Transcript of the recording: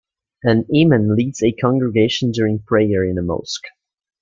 An Imam leads a congregation during prayer in a mosque.